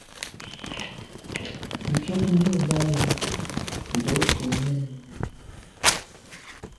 Ntshob ndùlàlà ndo nke nène.